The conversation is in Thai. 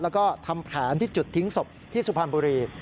แล้วก็ทำแผนที่จุดทิ้งศพที่สุพรรณบุรี